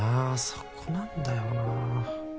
そこなんだよな